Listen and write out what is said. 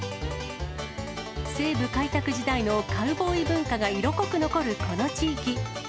西部開拓時代のカウボーイ文化が色濃く残るこの地域。